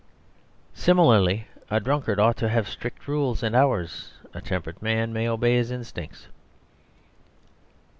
Similarly, a drunkard ought to have strict rules and hours; a temperate man may obey his instincts.